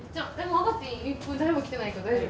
誰も来てないけど大丈夫？